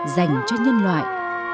dành cho nhân loại